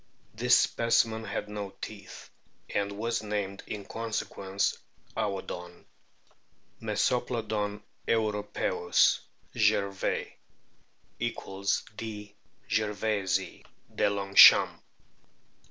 This specimen had no teeth, and was named in conse quence Aodon. Mesoplodon curopcziis, Gervais ;*(= D. gervaisii, Deslongchamps).